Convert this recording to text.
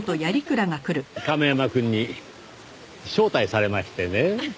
亀山くんに招待されましてね。